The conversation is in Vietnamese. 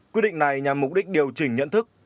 quy định này nhằm mục đích điều chỉnh nhận thức